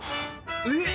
えっ！